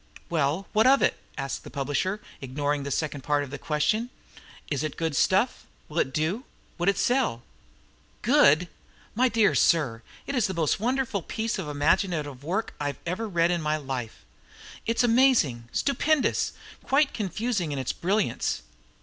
"Well, what of it?" asked the publisher, ignoring the second part of the question. "Is it good stuff? Will it do? Would it sell?" "Good! My dear sir, it is the most wonderful piece of imaginative work I ever read in my life. It is amazing, stupendous quite confusing in its brilliance.